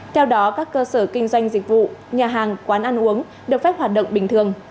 theo đó các cơ sở kinh doanh dịch vụ nhà hàng quán ăn uống được phép hoạt động bình thường